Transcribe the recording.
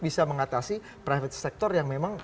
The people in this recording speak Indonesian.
bisa mengatasi private sector yang memang